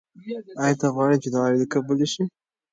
آیا ته غواړې چې دعاوې دې قبولې شي؟